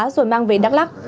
rồi mang về đắk lắc